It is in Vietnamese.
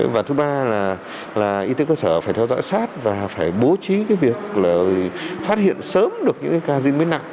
và thứ ba là y tế cơ sở phải theo dõi sát và phải bố trí việc phát hiện sớm được những ca dinh mới nặng